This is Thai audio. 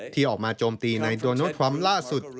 ที่ออกมาโจมตีในโดนัลดทรัมป์ล่าสุด